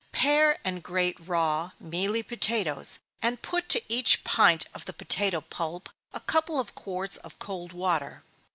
_ Pare and grate raw, mealy potatoes, and put to each pint of the potato pulp a couple of quarts of cold water.